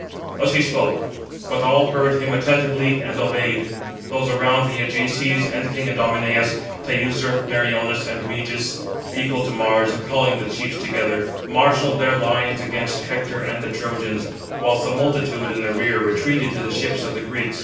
Thus he spoke; but all heard him attentively, and obeyed. Those around the Ajaces and king Idomeneus, Teucer, Meriones, and Meges, equal to Mars, calling the chiefs together, marshalled their lines against Hector and the Trojans; whilst the multitude in the rear retreated to the ships of the Greeks.